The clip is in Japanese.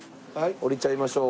降りちゃいましょう。